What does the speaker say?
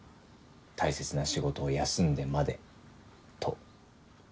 大切な仕事を休んでまでと。